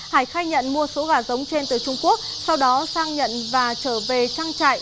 hải khai nhận mua số gà giống trên từ trung quốc sau đó sang nhận và trở về trang trại